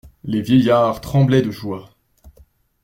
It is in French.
Les vieillards tremblaient de joie.